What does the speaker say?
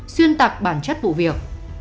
xuyên tặc bản chất vụ việc